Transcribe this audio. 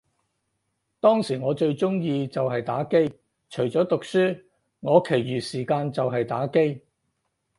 當時我最鍾意就係打機，除咗讀書，我其餘時間就係打機